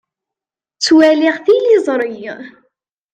Ttwaliɣ tiliẓri.